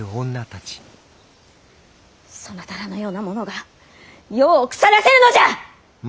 そなたらのような者が世を腐らせるのじゃ！